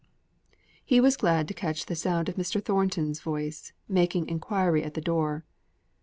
He was glad to catch the sound of Mr. Thornton's voice, making enquiry at the door.